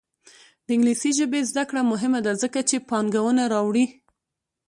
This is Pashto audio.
د انګلیسي ژبې زده کړه مهمه ده ځکه چې پانګونه راوړي.